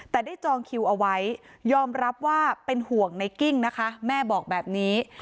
แต่ได้จองคิวเอาไว้ยอมรับว่าเป็นห่วงในกิ้งนะคะแม่บอกแบบนี้